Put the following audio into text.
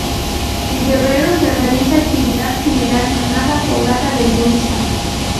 En febrero se realiza actividad similar llamada Fogata del Turista.